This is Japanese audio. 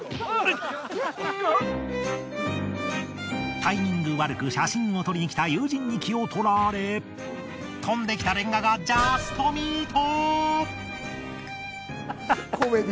タイミング悪く写真を撮りにきた友人に気を取られ飛んできたレンガがジャストミート！